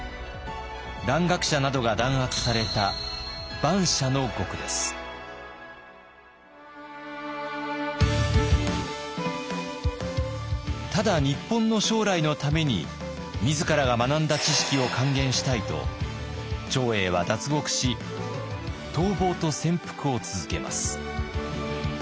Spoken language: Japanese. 蘭学者などが弾圧されたただ日本の将来のために自らが学んだ知識を還元したいと長英は脱獄し逃亡と潜伏を続けます。